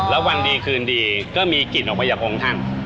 แล้ววันดีคืนดีก็มีกลิ่นออกมาจากองค์ท่าน